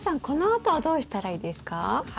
このあとはどうしたらいいですか？